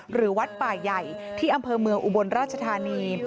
หรือวัดป่าใหญ่ที่อำเภอเมืองอุบลราชธานี